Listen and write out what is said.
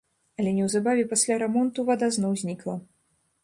Але неўзабаве пасля рамонту вада зноў знікла.